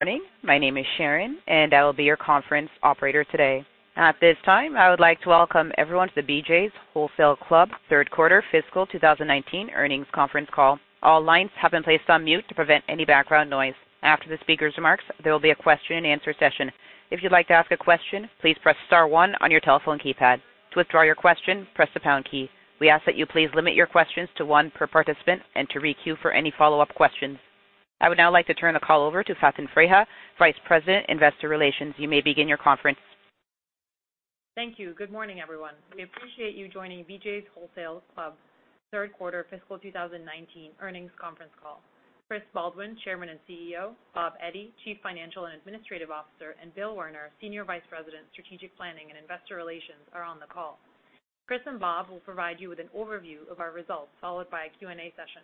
Morning. My name is Sharon. I will be your conference operator today. At this time, I would like to welcome everyone to the BJ’s Wholesale Club third quarter fiscal 2019 earnings conference call. All lines have been placed on mute to prevent any background noise. After the speaker's remarks, there will be a question-and-answer session. If you'd like to ask a question, please press star one on your telephone keypad. To withdraw your question, press the pound key. We ask that you please limit your questions to one per participant and to re-queue for any follow-up questions. I would now like to turn the call over to Faten Freiha, Vice President, Investor Relations. You may begin your conference. Thank you. Good morning, everyone. We appreciate you joining BJ’s Wholesale Club third quarter fiscal 2019 earnings conference call. Chris Baldwin, Chairman and CEO, Bob Eddy, Chief Financial and Administrative Officer, and Bill Werner, Senior Vice President, Strategic Planning and Investor Relations, are on the call. Chris and Bob will provide you with an overview of our results, followed by a Q&A session.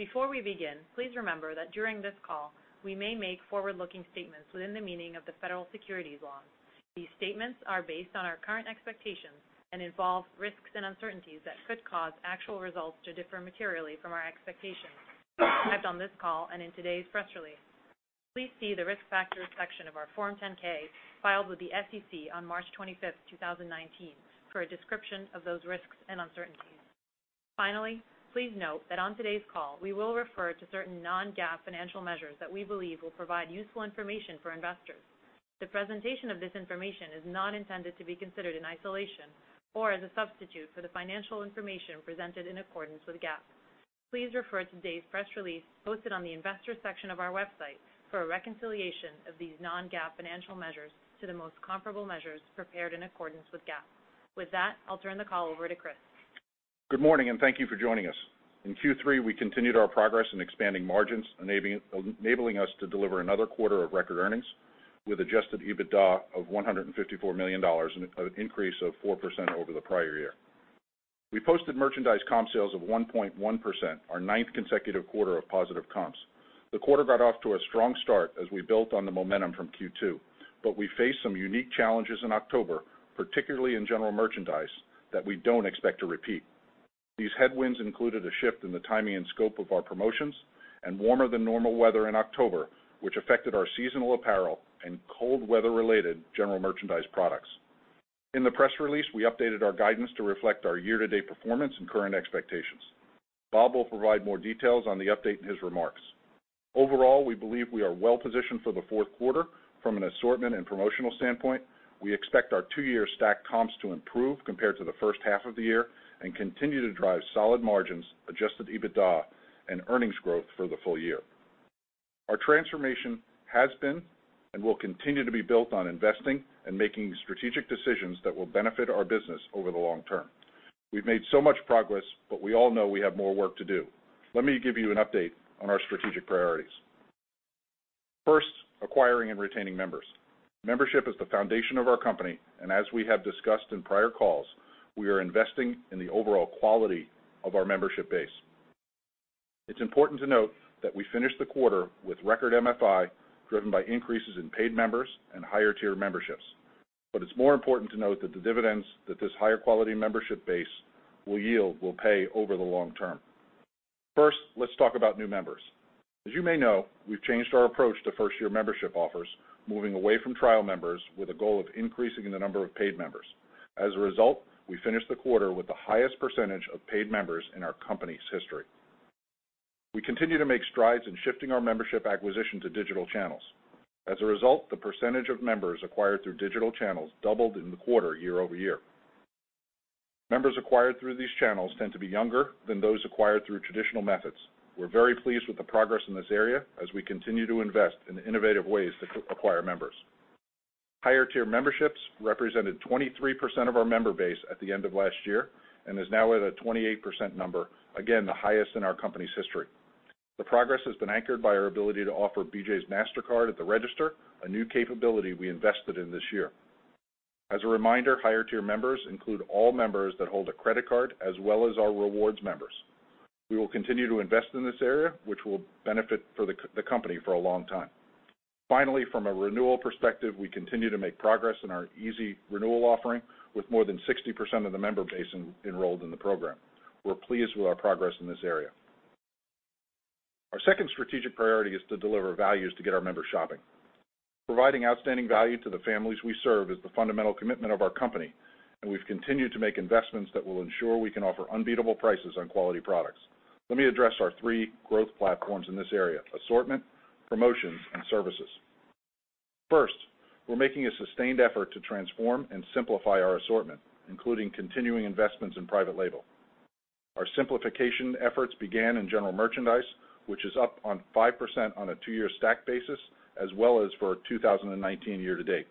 Before we begin, please remember that during this call, we may make forward-looking statements within the meaning of the federal securities laws. These statements are based on our current expectations and involve risks and uncertainties that could cause actual results to differ materially from our expectations, reflected on this call and in today's press release. Please see the Risk Factors section of our Form 10-K filed with the SEC on March 25th, 2019, for a description of those risks and uncertainties. Finally, please note that on today's call, we will refer to certain non-GAAP financial measures that we believe will provide useful information for investors. The presentation of this information is not intended to be considered in isolation or as a substitute for the financial information presented in accordance with GAAP. Please refer to today's press release posted on the investor section of our website for a reconciliation of these non-GAAP financial measures to the most comparable measures prepared in accordance with GAAP. With that, I'll turn the call over to Chris. Good morning, and thank you for joining us. In Q3, we continued our progress in expanding margins, enabling us to deliver another quarter of record earnings with adjusted EBITDA of $154 million, an increase of 4% over the prior year. We posted merchandise comp sales of 1.1%, our ninth consecutive quarter of positive comps. The quarter got off to a strong start as we built on the momentum from Q2. We faced some unique challenges in October, particularly in general merchandise, that we don't expect to repeat. These headwinds included a shift in the timing and scope of our promotions and warmer than normal weather in October, which affected our seasonal apparel and cold weather-related general merchandise products. In the press release, we updated our guidance to reflect our year-to-date performance and current expectations. Bob will provide more details on the update in his remarks. Overall, we believe we are well-positioned for the fourth quarter from an assortment and promotional standpoint. We expect our two-year-stacked comps to improve compared to the first half of the year and continue to drive solid margins, adjusted EBITDA, and earnings growth for the full year. Our transformation has been and will continue to be built on investing and making strategic decisions that will benefit our business over the long term. We've made so much progress, but we all know we have more work to do. Let me give you an update on our strategic priorities. First, acquiring and retaining members. Membership is the foundation of our company, and as we have discussed in prior calls, we are investing in the overall quality of our membership base. It's important to note that we finished the quarter with record MFI, driven by increases in paid members and higher-tier memberships. It's more important to note that the dividends that this higher-quality membership base will yield will pay over the long term. First, let's talk about new members. As you may know, we've changed our approach to first-year membership offers, moving away from trial members with a goal of increasing the number of paid members. As a result, we finished the quarter with the highest percentage of paid members in our company's history. We continue to make strides in shifting our membership acquisition to digital channels. As a result, the percentage of members acquired through digital channels doubled in the quarter year-over-year. Members acquired through these channels tend to be younger than those acquired through traditional methods. We're very pleased with the progress in this area as we continue to invest in innovative ways to acquire members. Higher-tier memberships represented 23% of our member base at the end of last year and is now at a 28% number, again, the highest in our company's history. The progress has been anchored by our ability to offer BJ's Mastercard at the register, a new capability we invested in this year. As a reminder, higher-tier members include all members that hold a credit card, as well as our rewards members. We will continue to invest in this area, which will benefit the company for a long time. Finally, from a renewal perspective, we continue to make progress in our easy renewal offering with more than 60% of the member base enrolled in the program. We're pleased with our progress in this area. Our second strategic priority is to deliver values to get our members shopping. Providing outstanding value to the families we serve is the fundamental commitment of our company, and we've continued to make investments that will ensure we can offer unbeatable prices on quality products. Let me address our three growth platforms in this area: assortment, promotions, and services. First, we're making a sustained effort to transform and simplify our assortment, including continuing investments in private label. Our simplification efforts began in general merchandise, which is up 5% on a two-year stacked basis, as well as for 2019 year to date.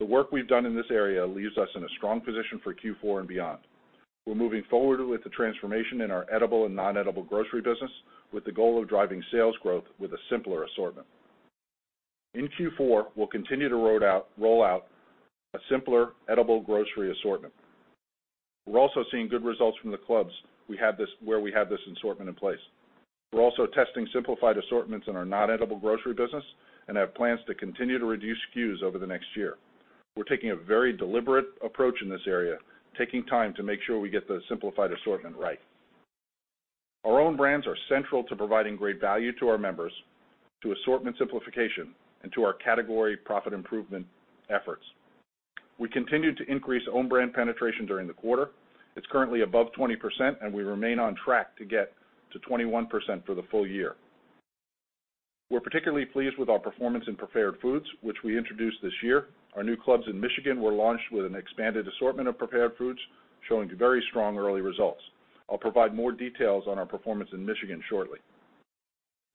The work we've done in this area leaves us in a strong position for Q4 and beyond. We're moving forward with the transformation in our edible and non-edible grocery business with the goal of driving sales growth with a simpler assortment. In Q4, we'll continue to roll out a simpler edible grocery assortment. We're also seeing good results from the clubs where we have this assortment in place. We're also testing simplified assortments in our non-edible grocery business and have plans to continue to reduce SKUs over the next year. We're taking a very deliberate approach in this area, taking time to make sure we get the simplified assortment right. Our own brands are central to providing great value to our members, to assortment simplification, and to our category profit improvement efforts. We continued to increase own brand penetration during the quarter. It's currently above 20%, and we remain on track to get to 21% for the full year. We're particularly pleased with our performance in prepared foods, which we introduced this year. Our new clubs in Michigan were launched with an expanded assortment of prepared foods, showing very strong early results. I'll provide more details on our performance in Michigan shortly.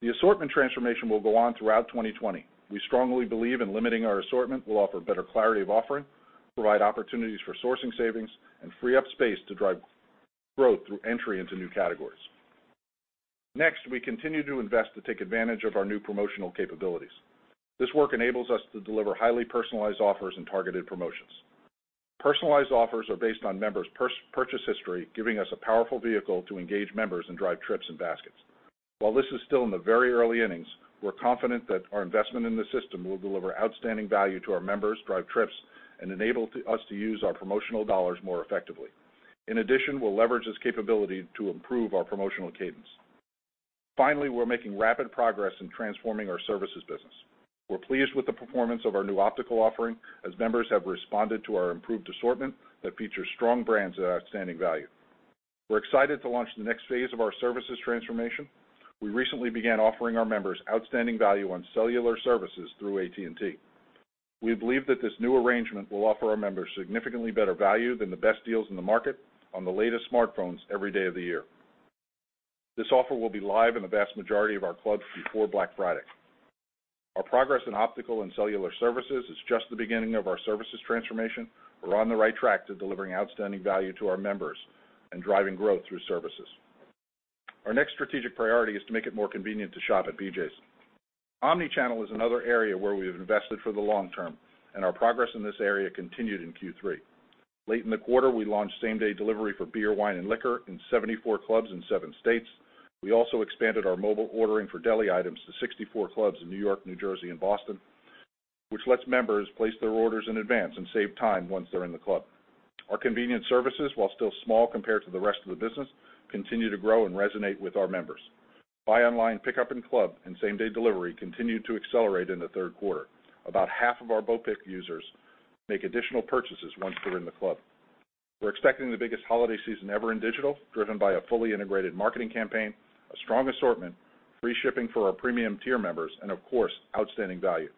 The assortment transformation will go on throughout 2020. We strongly believe in limiting our assortment will offer better clarity of offering, provide opportunities for sourcing savings, and free up space to drive growth through entry into new categories. Next, we continue to invest to take advantage of our new promotional capabilities. This work enables us to deliver highly personalized offers and targeted promotions. Personalized offers are based on members' purchase history, giving us a powerful vehicle to engage members and drive trips and baskets. While this is still in the very early innings, we're confident that our investment in the system will deliver outstanding value to our members, drive trips, and enable us to use our promotional dollars more effectively. In addition, we'll leverage this capability to improve our promotional cadence. Finally, we're making rapid progress in transforming our services business. We're pleased with the performance of our new optical offering, as members have responded to our improved assortment that features strong brands at outstanding value. We're excited to launch the next phase of our services transformation. We recently began offering our members outstanding value on cellular services through AT&T. We believe that this new arrangement will offer our members significantly better value than the best deals in the market on the latest smartphones every day of the year. This offer will be live in the vast majority of our clubs before Black Friday. Our progress in optical and cellular services is just the beginning of our services transformation. We're on the right track to delivering outstanding value to our members and driving growth through services. Our next strategic priority is to make it more convenient to shop at BJ's. Omnichannel is another area where we have invested for the long term, and our progress in this area continued in Q3. Late in the quarter, we launched same-day delivery for beer, wine, and liquor in 74 clubs in seven states. We also expanded our mobile ordering for deli items to 64 clubs in New York, New Jersey, and Boston, which lets members place their orders in advance and save time once they're in the club. Our convenience services, while still small compared to the rest of the business, continue to grow and resonate with our members. Buy online, pick up in-club, and same-day delivery continued to accelerate in the third quarter. About half of our BOPIC users make additional purchases once they're in the club. We're expecting the biggest holiday season ever in digital, driven by a fully integrated marketing campaign, a strong assortment, free shipping for our premium tier members, and of course, outstanding value.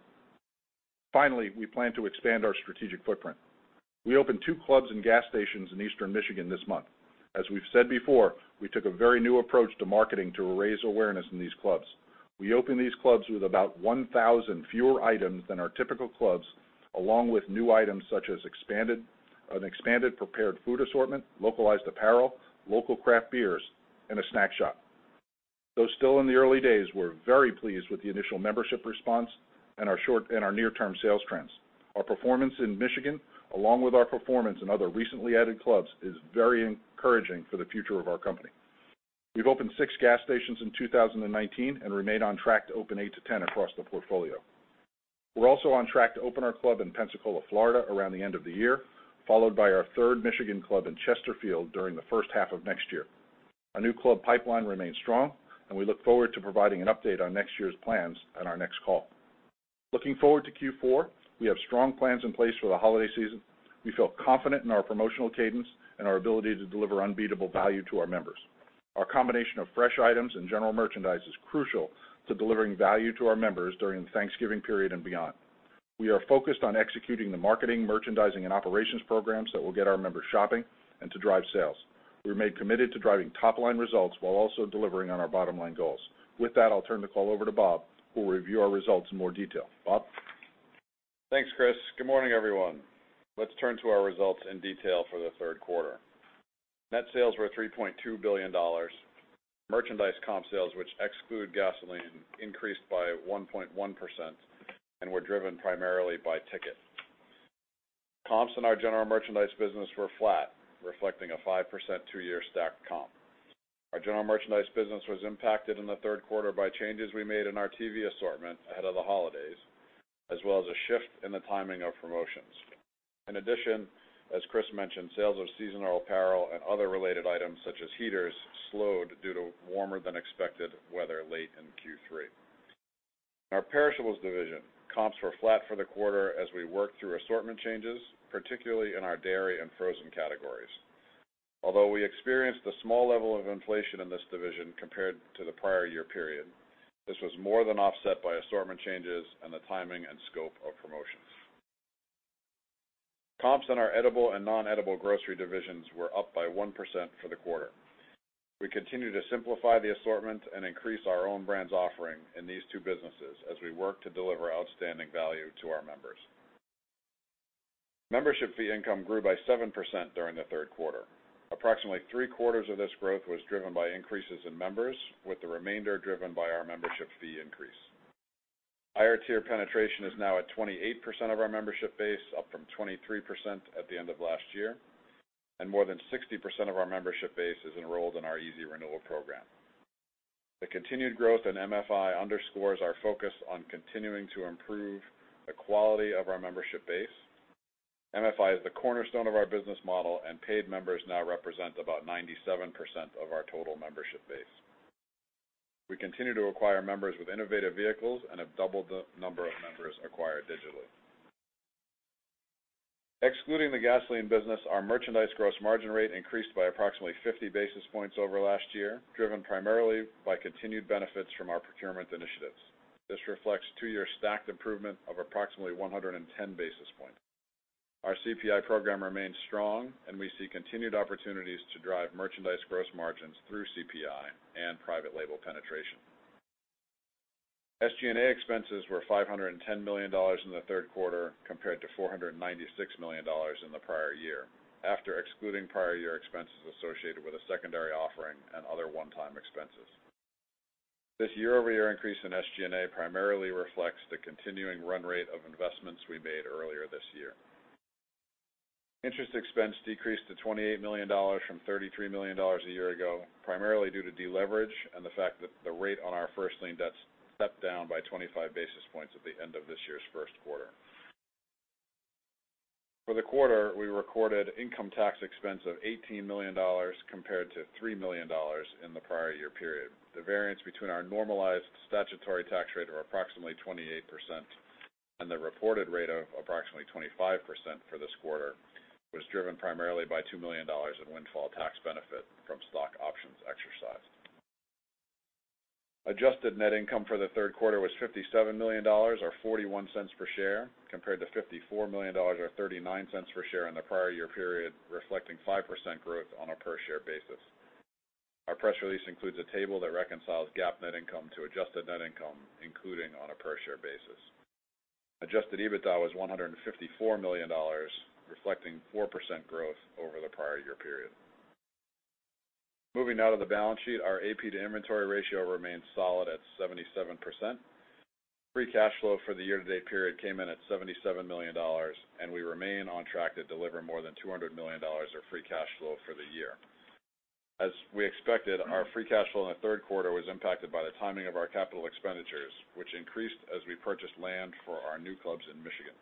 Finally, we plan to expand our strategic footprint. We opened two clubs and gas stations in Eastern Michigan this month. As we've said before, we took a very new approach to marketing to raise awareness in these clubs. We opened these clubs with about 1,000 fewer items than our typical clubs, along with new items such as an expanded prepared food assortment, localized apparel, local craft beers, and a snack shop. Though still in the early days, we're very pleased with the initial membership response and our near-term sales trends. Our performance in Michigan, along with our performance in other recently added clubs, is very encouraging for the future of our company. We've opened six gas stations in 2019 and remain on track to open 8 to 10 across the portfolio. We're also on track to open our club in Pensacola, Florida, around the end of the year, followed by our third Michigan club in Chesterfield during the first half of next year. Our new club pipeline remains strong. We look forward to providing an update on next year's plans at our next call. Looking forward to Q4, we have strong plans in place for the holiday season. We feel confident in our promotional cadence and our ability to deliver unbeatable value to our members. Our combination of fresh items and general merchandise is crucial to delivering value to our members during the Thanksgiving period and beyond. We are focused on executing the marketing, merchandising, and operations programs that will get our members shopping and to drive sales. We remain committed to driving top-line results while also delivering on our bottom-line goals. With that, I'll turn the call over to Bob, who will review our results in more detail. Bob? Thanks, Chris. Good morning, everyone. Let's turn to our results in detail for the third quarter. Net sales were $3.2 billion. Merchandise comp sales, which exclude gasoline, increased by 1.1% and were driven primarily by ticket. Comps in our general merchandise business were flat, reflecting a 5% two-year stacked comp. Our general merchandise business was impacted in the third quarter by changes we made in our TV assortment ahead of the holidays, as well as a shift in the timing of promotions. In addition, as Chris mentioned, sales of seasonal apparel and other related items such as heaters slowed due to warmer-than-expected weather late in Q3. In our perishables division, comps were flat for the quarter as we worked through assortment changes, particularly in our dairy and frozen categories. Although we experienced a small level of inflation in this division compared to the prior year period, this was more than offset by assortment changes and the timing and scope of promotions. Comps in our edible and non-edible grocery divisions were up by 1% for the quarter. We continue to simplify the assortment and increase our own brands offering in these two businesses as we work to deliver outstanding value to our members. Membership fee income grew by 7% during the third quarter. Approximately three-quarters of this growth was driven by increases in members, with the remainder driven by our membership fee increase. Higher tier penetration is now at 28% of our membership base, up from 23% at the end of last year, and more than 60% of our membership base is enrolled in our easy renewal program. The continued growth in MFI underscores our focus on continuing to improve the quality of our membership base. MFI is the cornerstone of our business model, and paid members now represent about 97% of our total membership base. We continue to acquire members with innovative vehicles and have doubled the number of members acquired digitally. Excluding the gasoline business, our merchandise gross margin rate increased by approximately 50 basis points over last year, driven primarily by continued benefits from our procurement initiatives. This reflects two years' stacked improvement of approximately 110 basis points. Our CPI program remains strong, and we see continued opportunities to drive merchandise gross margins through CPI and private label penetration. SG&A expenses were $510 million in the third quarter, compared to $496 million in the prior year, after excluding prior year expenses associated with a secondary offering and other one-time expenses. This year-over-year increase in SG&A primarily reflects the continuing run rate of investments we made earlier this year. Interest expense decreased to $28 million from $33 million a year ago, primarily due to deleverage and the fact that the rate on our first lien debt stepped down by 25 basis points at the end of this year's first quarter. For the quarter, we recorded income tax expense of $18 million compared to $3 million in the prior year period. The variance between our normalized statutory tax rate of approximately 28% and the reported rate of approximately 25% for this quarter was driven primarily by $2 million in windfall tax benefit from stock options exercised. Adjusted net income for the third quarter was $57 million, or $0.41 per share, compared to $54 million or $0.39 per share in the prior year period, reflecting 5% growth on a per share basis. Our press release includes a table that reconciles GAAP net income to adjusted net income, including on a per share basis. Adjusted EBITDA was $154 million, reflecting 4% growth over the prior year period. Moving now to the balance sheet. Our AP to inventory ratio remains solid at 77%. Free cash flow for the year-to-date period came in at $77 million, and we remain on track to deliver more than $200 million of free cash flow for the year. As we expected, our free cash flow in the third quarter was impacted by the timing of our capital expenditures, which increased as we purchased land for our new clubs in Michigan.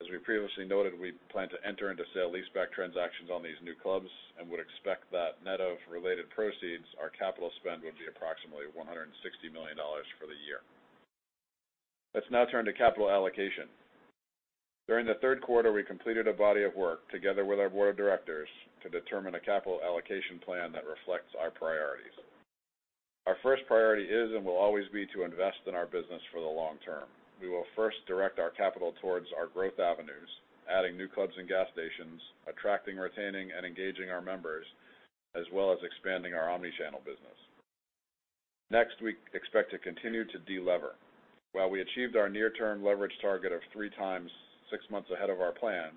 As we previously noted, we plan to enter into sale-leaseback transactions on these new clubs and would expect that net of related proceeds, our capital spend would be approximately $160 million for the year. Let's now turn to capital allocation. During the third quarter, we completed a body of work together with our board of directors to determine a capital allocation plan that reflects our priorities. Our first priority is and will always be to invest in our business for the long term. We will first direct our capital towards our growth avenues, adding new clubs and gas stations, attracting, retaining, and engaging our members, as well as expanding our omni-channel business. Next, we expect to continue to de-lever. While we achieved our near-term leverage target of 3 times, 6 months ahead of our plan,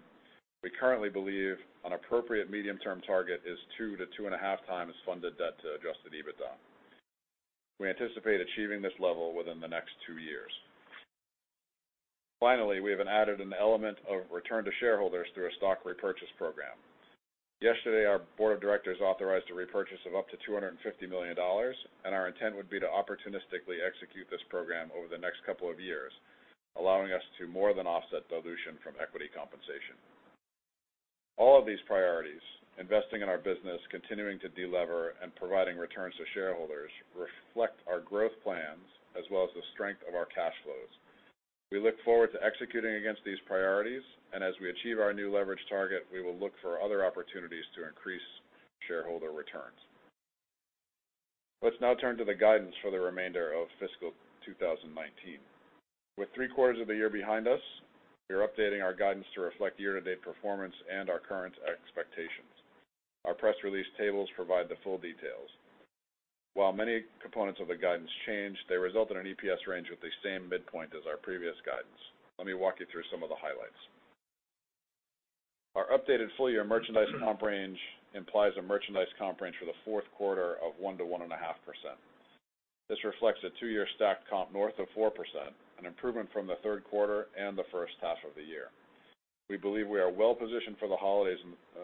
we currently believe an appropriate medium-term target is 2-2.5 times funded debt to adjusted EBITDA. We anticipate achieving this level within the next 2 years. Finally, we have added an element of return to shareholders through a stock repurchase program. Yesterday, our board of directors authorized a repurchase of up to $250 million, and our intent would be to opportunistically execute this program over the next couple of years, allowing us to more than offset dilution from equity compensation. All of these priorities, investing in our business, continuing to de-lever, and providing returns to shareholders, reflect our growth plans as well as the strength of our cash flows. We look forward to executing against these priorities, and as we achieve our new leverage target, we will look for other opportunities to increase shareholder returns. Let's now turn to the guidance for the remainder of fiscal 2019. With three quarters of the year behind us, we are updating our guidance to reflect year-to-date performance and our current expectations. Our press release tables provide the full details. While many components of the guidance change, they result in an EPS range with the same midpoint as our previous guidance. Let me walk you through some of the highlights. Our updated full-year merchandise comp range implies a merchandise comp range for the fourth quarter of 1%-1.5%. This reflects a two-year stacked comp north of 4%, an improvement from the third quarter and the first half of the year. We believe we are well positioned for the holidays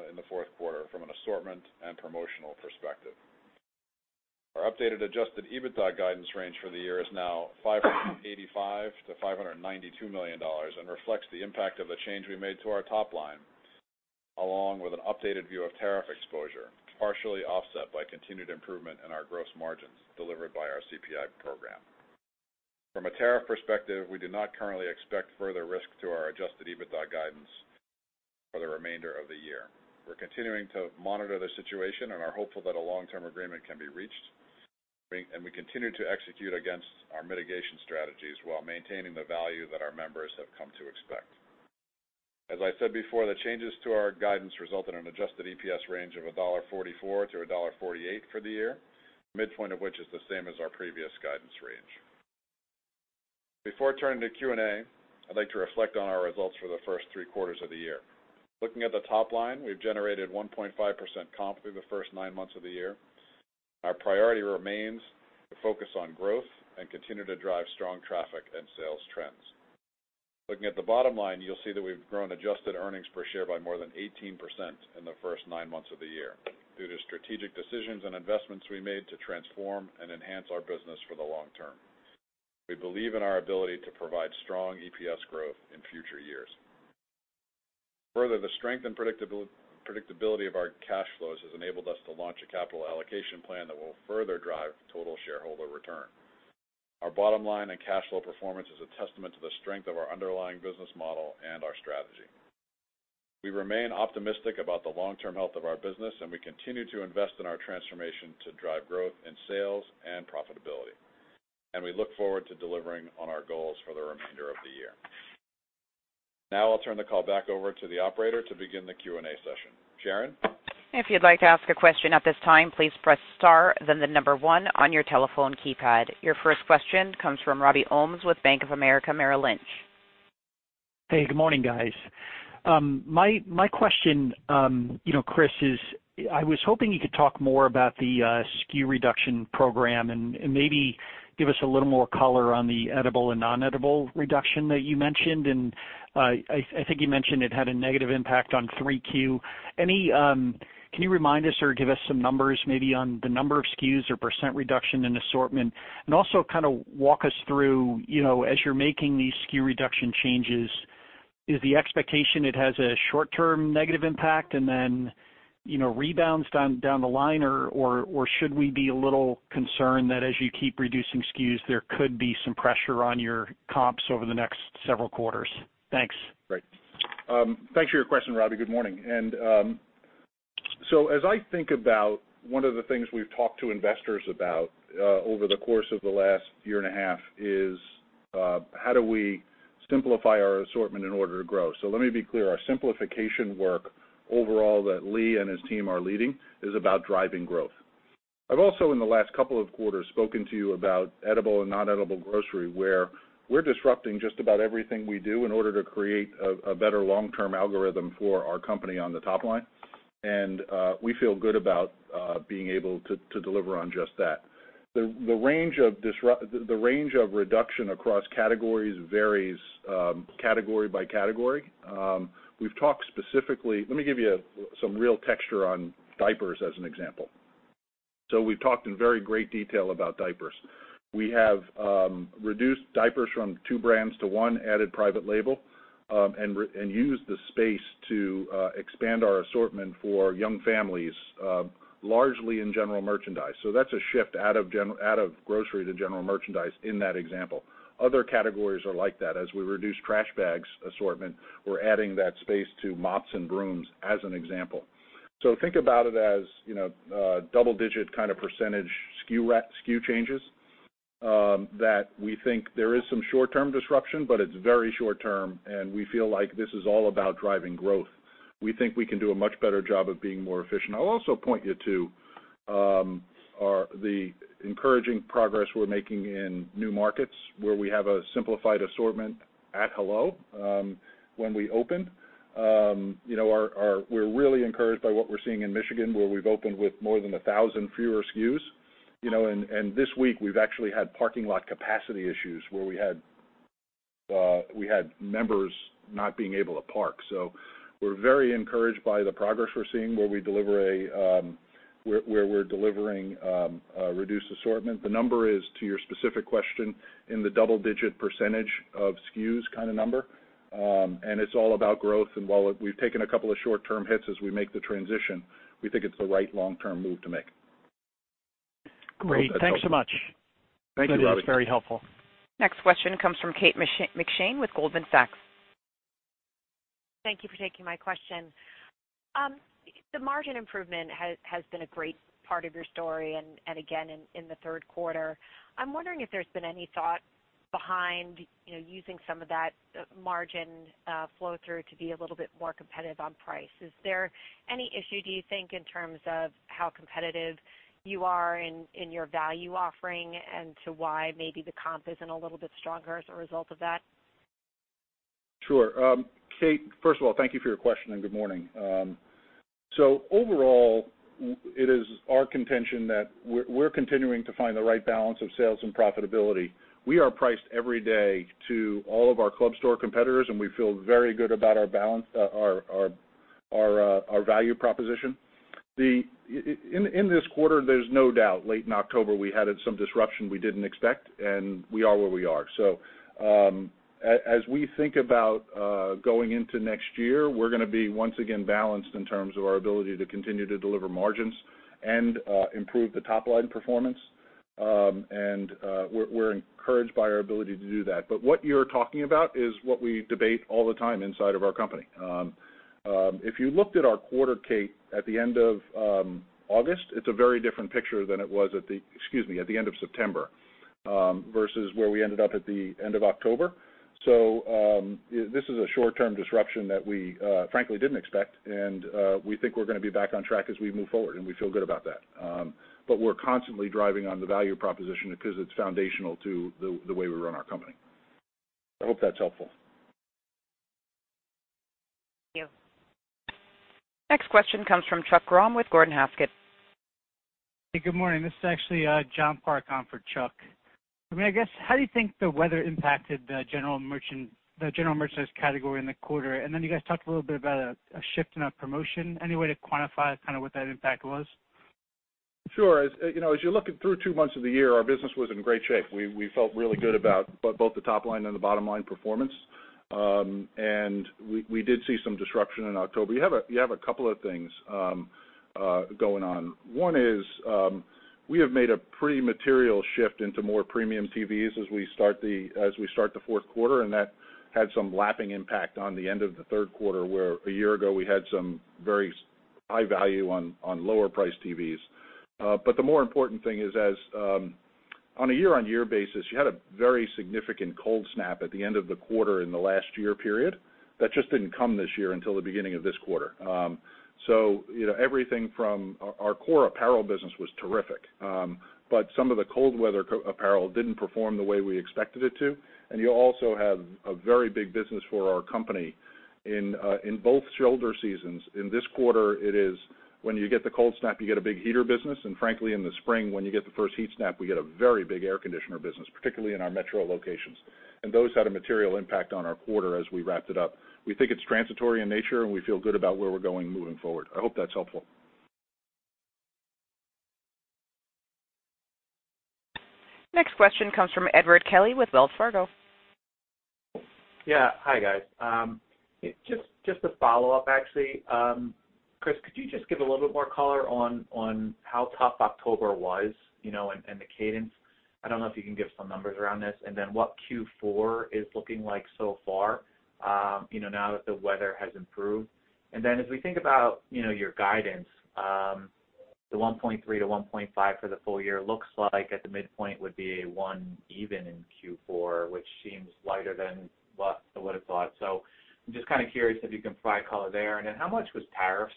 in the fourth quarter from an assortment and promotional perspective. Our updated adjusted EBITDA guidance range for the year is now $585 million-$592 million and reflects the impact of the change we made to our top line, along with an updated view of tariff exposure, partially offset by continued improvement in our gross margins delivered by our CPI program. From a tariff perspective, we do not currently expect further risk to our adjusted EBITDA guidance for the remainder of the year. We're continuing to monitor the situation and are hopeful that a long-term agreement can be reached, and we continue to execute against our mitigation strategies while maintaining the value that our members have come to expect. As I said before, the changes to our guidance result in an adjusted EPS range of $1.44-$1.48 for the year, midpoint of which is the same as our previous guidance range. Before turning to Q&A, I'd like to reflect on our results for the first three quarters of the year. Looking at the top line, we've generated 1.5% comp through the first nine months of the year. Our priority remains to focus on growth and continue to drive strong traffic and sales trends. Looking at the bottom line, you'll see that we've grown adjusted earnings per share by more than 18% in the first nine months of the year due to strategic decisions and investments we made to transform and enhance our business for the long term. We believe in our ability to provide strong EPS growth in future years. Further, the strength and predictability of our cash flows has enabled us to launch a capital allocation plan that will further drive total shareholder return. Our bottom line and cash flow performance is a testament to the strength of our underlying business model and our strategy. We remain optimistic about the long-term health of our business, we continue to invest in our transformation to drive growth in sales and profitability. We look forward to delivering on our goals for the remainder of the year. Now I'll turn the call back over to the operator to begin the Q&A session. Sharon? If you'd like to ask a question at this time, please press star, then the number one on your telephone keypad. Your first question comes from Robbie Ohmes with Bank of America Merrill Lynch. Hey, good morning, guys. My question, Chris, is I was hoping you could talk more about the SKU reduction program and maybe give us a little more color on the edible and non-edible reduction that you mentioned. I think you mentioned it had a negative impact on 3Q. Can you remind us or give us some numbers maybe on the number of SKUs or % reduction in assortment? Also kind of walk us through as you're making these SKU reduction changes, is the expectation it has a short-term negative impact and then rebounds down the line, or should we be a little concerned that as you keep reducing SKUs, there could be some pressure on your comps over the next several quarters? Thanks. Great. Thanks for your question, Robbie. Good morning. As I think about one of the things we've talked to investors about over the course of the last year and a half is, how do we simplify our assortment in order to grow? Let me be clear. Our simplification work overall that Lee and his team are leading is about driving growth. I've also, in the last couple of quarters, spoken to you about edible and non-edible grocery, where we're disrupting just about everything we do in order to create a better long-term algorithm for our company on the top line. We feel good about being able to deliver on just that. The range of reduction across categories varies category by category. Let me give you some real texture on diapers as an example. We've talked in very great detail about diapers. We have reduced diapers from two brands to one, added private label, and used the space to expand our assortment for young families, largely in general merchandise. That's a shift out of grocery to general merchandise in that example. Other categories are like that. As we reduce trash bags assortment, we're adding that space to mops and brooms, as an example. Think about it as double-digit kind of % SKU changes that we think there is some short-term disruption, but it's very short term, and we feel like this is all about driving growth. We think we can do a much better job of being more efficient. I'll also point you to the encouraging progress we're making in new markets where we have a simplified assortment at Hello when we open. We're really encouraged by what we're seeing in Michigan, where we've opened with more than 1,000 fewer SKUs. This week, we've actually had parking lot capacity issues where we had members not being able to park. We're very encouraged by the progress we're seeing where we're delivering a reduced assortment. The number is, to your specific question, in the double-digit percentage of SKUs kind of number. It's all about growth. While we've taken a couple of short-term hits as we make the transition, we think it's the right long-term move to make. Great. Thanks so much. Thank you, Robbie. That is very helpful. Next question comes from Kate McShane with Goldman Sachs. Thank you for taking my question. The margin improvement has been a great part of your story and again in the third quarter. I'm wondering if there's been any thought behind using some of that margin flow through to be a little bit more competitive on price. Is there any issue, do you think, in terms of how competitive you are in your value offering and to why maybe the comp isn't a little bit stronger as a result of that? Sure. Kate, first of all, thank you for your question, and good morning. Overall, it is our contention that we're continuing to find the right balance of sales and profitability. We are priced every day to all of our club store competitors, and we feel very good about our value proposition. In this quarter, there's no doubt, late in October, we had some disruption we didn't expect, and we are where we are. As we think about going into next year, we're going to be once again balanced in terms of our ability to continue to deliver margins and improve the top-line performance. We're encouraged by our ability to do that. What you're talking about is what we debate all the time inside of our company. If you looked at our quarter, Kate, at the end of August, it's a very different picture than it was at the end of September versus where we ended up at the end of October. This is a short-term disruption that we frankly didn't expect, and we think we're going to be back on track as we move forward, and we feel good about that. We're constantly driving on the value proposition because it's foundational to the way we run our company. I hope that's helpful. Thank you. Next question comes from Chuck Grom with Gordon Haskett. Hey, good morning. This is actually John Park on for Chuck. I guess, how do you think the weather impacted the general merchandise category in the quarter? You guys talked a little bit about a shift in a promotion. Any way to quantify what that impact was? Sure. As you're looking through two months of the year, our business was in great shape. We felt really good about both the top line and the bottom-line performance. We did see some disruption in October. You have a couple of things going on. One is we have made a pretty material shift into more premium TVs as we start the fourth quarter, and that had some lapping impact on the end of the third quarter, where a year ago we had some very high value on lower priced TVs. The more important thing is, on a year-on-year basis, you had a very significant cold snap at the end of the quarter in the last year period. That just didn't come this year until the beginning of this quarter. Everything from our core apparel business was terrific. Some of the cold weather apparel didn't perform the way we expected it to. You also have a very big business for our company in both shoulder seasons. In this quarter, it is when you get the cold snap, you get a big heater business. Frankly, in the spring, when you get the first heat snap, we get a very big air conditioner business, particularly in our metro locations. Those had a material impact on our quarter as we wrapped it up. We think it's transitory in nature, and we feel good about where we're going moving forward. I hope that's helpful. Next question comes from Edward Kelly with Wells Fargo. Yeah. Hi, guys. Just a follow-up, actually. Chris, could you just give a little bit more color on how tough October was and the cadence? I don't know if you can give some numbers around this, and then what Q4 is looking like so far now that the weather has improved. As we think about your guidance, the $1.3-$1.5 for the full year looks like at the midpoint would be a $1 even in Q4, which seems lighter than what I would've thought. I'm just curious if you can provide color there. How much was tariffs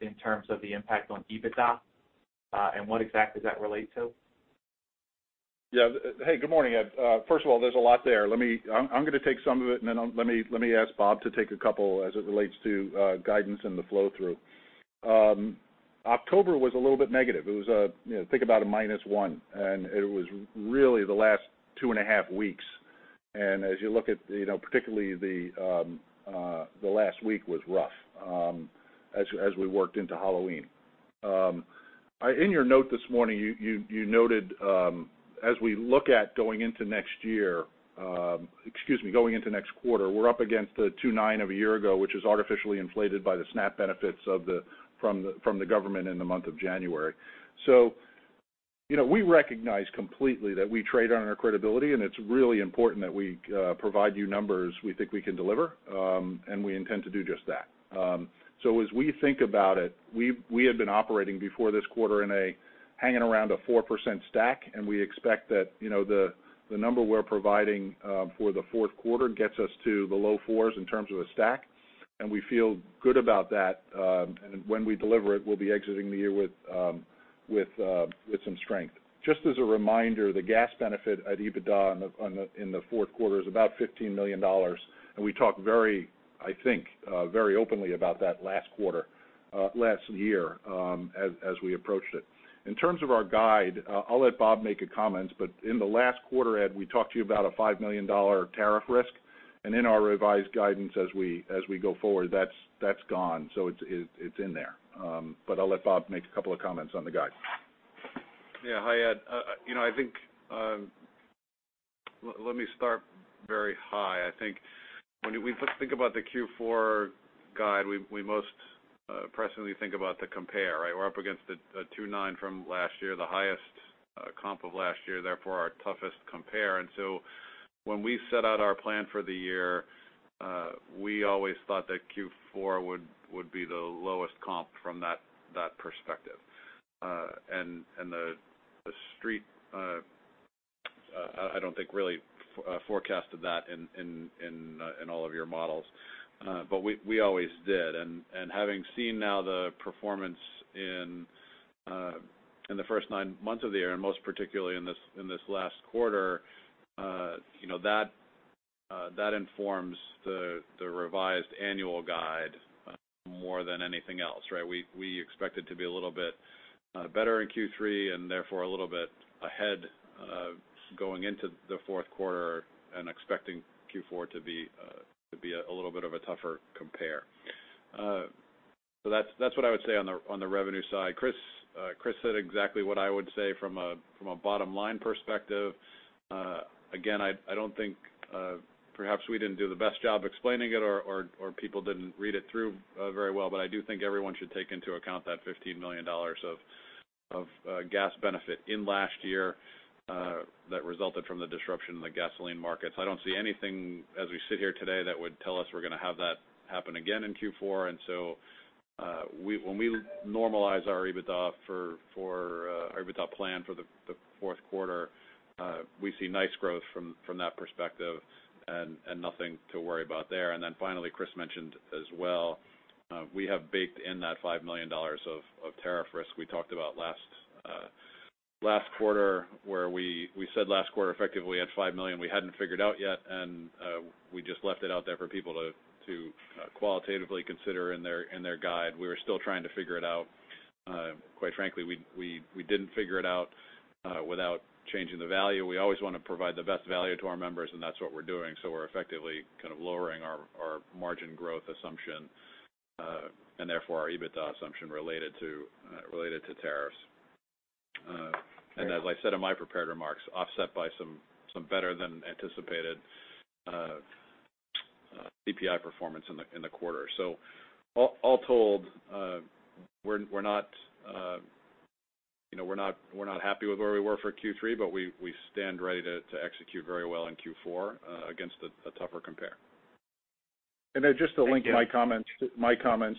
in terms of the impact on EBITDA, and what exactly does that relate to? Yeah. Hey, good morning, Ed. First of all, there's a lot there. I'm going to take some of it and then let me ask Bob to take a couple as it relates to guidance and the flow-through. October was a little bit negative. Think about a minus one, and it was really the last two and a half weeks. As you look at, particularly the last week was rough as we worked into Halloween. In your note this morning, you noted as we look at going into next quarter, we're up against the 2.9 of a year ago, which is artificially inflated by the SNAP benefits from the government in the month of January. We recognize completely that we trade on our credibility, and it's really important that we provide you numbers we think we can deliver. We intend to do just that. As we think about it, we had been operating before this quarter hanging around a 4% stack, we expect that the number we're providing for the fourth quarter gets us to the low fours in terms of the stack, we feel good about that. When we deliver it, we'll be exiting the year with some strength. Just as a reminder, the gas benefit at EBITDA in the fourth quarter is about $15 million. We talked, I think, very openly about that last quarter, last year as we approached it. In terms of our guide, I'll let Bob make a comment, in the last quarter, Ed, we talked to you about a $5 million tariff risk. In our revised guidance as we go forward, that's gone. It's in there. I'll let Bob make a couple of comments on the guide. Yeah. Hi, Ed. Let me start very high. I think when we think about the Q4 guide, we most presently think about the compare, right? We're up against the 2.9% from last year, the highest comp of last year, therefore our toughest compare. When we set out our plan for the year, we always thought that Q4 would be the lowest comp from that perspective. The Street, I don't think really forecasted that in all of your models. We always did. Having seen now the performance in the first nine months of the year, and most particularly in this last quarter, that informs the revised annual guide more than anything else, right? We expect it to be a little bit better in Q3, and therefore a little bit ahead going into the fourth quarter and expecting Q4 to be a little bit of a tougher compare. That's what I would say on the revenue side. Chris said exactly what I would say from a bottom-line perspective. Again, perhaps we didn't do the best job explaining it or people didn't read it through very well, but I do think everyone should take into account that $15 million of gas benefit in last year that resulted from the disruption in the gasoline markets. I don't see anything as we sit here today that would tell us we're going to have that happen again in Q4. When we normalize our EBITDA plan for the fourth quarter, we see nice growth from that perspective and nothing to worry about there. Finally, Chris mentioned as well, we have baked in that $5 million of tariff risk we talked about last quarter, where we said last quarter effectively had $5 million we hadn't figured out yet, and we just left it out there for people to qualitatively consider in their guide. We were still trying to figure it out. Quite frankly, we didn't figure it out without changing the value. We always want to provide the best value to our members, and that's what we're doing. We're effectively kind of lowering our margin growth assumption, and therefore our EBITDA assumption related to tariffs. As I said in my prepared remarks, offset by some better-than-anticipated CPI performance in the quarter. All told, we're not happy with where we were for Q3, but we stand ready to execute very well in Q4 against a tougher compare. Then just to link my comments